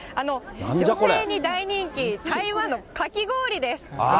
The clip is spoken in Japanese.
女性に大人気、台湾のかき氷です。